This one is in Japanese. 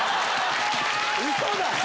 ・ウソだ・・